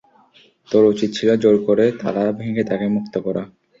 তোর উচিত ছিল জোর করে তালা ভেঙে তাকে মুক্ত করা।